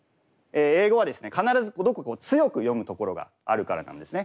英語はですね必ずどこか強く読む所があるからなんですね。